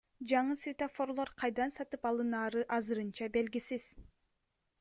Жаңы светофорлор кайдан сатып алынаары азырынча белгисиз.